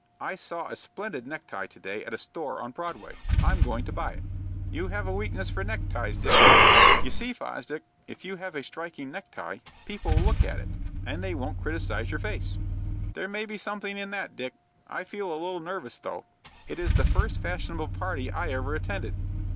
I saw a splendid necktie to day at a store on Broadway. I'm going to buy it." "You have a weakness for neckties, Dick." "You see, Fosdick, if you have a striking necktie, people will look at that, and they won't criticise your face." "There may be something in that, Dick. I feel a little nervous though. It is the first fashionable party I ever attended."